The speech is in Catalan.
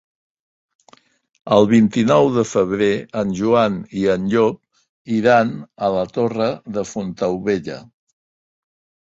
El vint-i-nou de febrer en Joan i en Llop iran a la Torre de Fontaubella.